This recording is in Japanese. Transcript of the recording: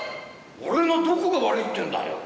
「俺のどこが悪いっていうんだよ⁉」